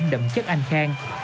đậm chất anh khang